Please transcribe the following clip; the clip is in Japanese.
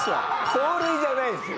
走塁じゃないですよ。